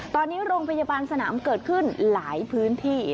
ตอนนี้โรงพยาบาลสนามเกิดขึ้นหลายพื้นที่